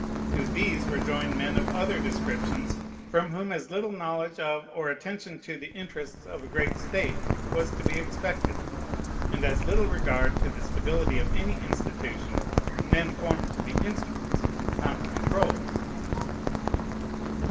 To these were joined men of other descriptions, from whom as little knowledge of or attention to the interests of a great state was to be expected, and as little regard to the stability of any institution, men formed to be instruments, not controls.